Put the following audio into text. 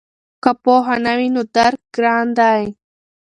که پوهه نه وي نو درک ګران دی.